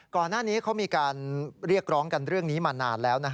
ก่อนหน้านี้เขามีการเรียกร้องกันเรื่องนี้มานานแล้ว